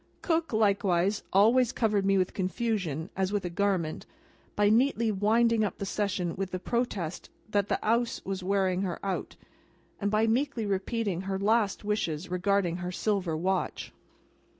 Cook, likewise, always covered me with confusion as with a garment, by neatly winding up the session with the protest that the Ouse was wearing her out, and by meekly repeating her last wishes regarding her silver watch.